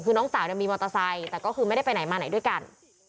คือน้องสาวมีมอเตอร์ไซค์แต่ก็คือไม่ได้ไปไหนมาไหนด้วยกัน